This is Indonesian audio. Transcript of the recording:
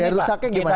daya rusaknya gimana